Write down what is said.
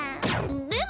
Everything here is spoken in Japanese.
でも。